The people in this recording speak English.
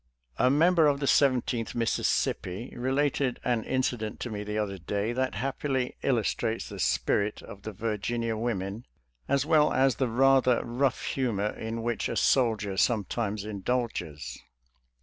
•«♦ A member of the Seventeenth Mississippi re lated an incident to me the other day that hap pily illustrates the spirit of the Virginia women as well as the rather rough humor in which a soldier sometimes indulges.